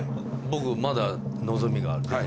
僕まだ望みがある。